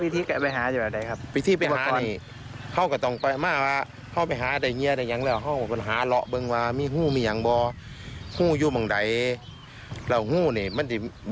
ถ้าต้องเคลียร์เบื้องว่าเออหู้นี่มันไม่อยู่แล้ว